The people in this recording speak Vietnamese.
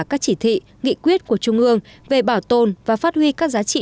các chỉ thị nghị quyết của trung ương về bảo tồn và phát huy các giá trị